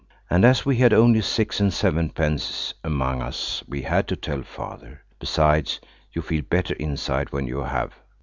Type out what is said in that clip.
And as we had only six and sevenpence among us we had to tell Father. Besides, you feel better inside when you have.